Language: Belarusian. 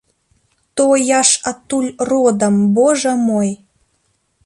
То я ж адтуль родам, божа мой!